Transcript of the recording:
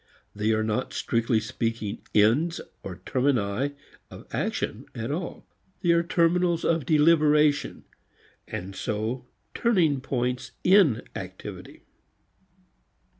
They are not strictly speaking ends or termini of action at all. They are terminals of deliberation, and so turning points in activity.